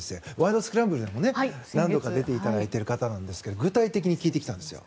スクランブル」にも何度か出ていただいている方ですが具体的に聞いてきたんです。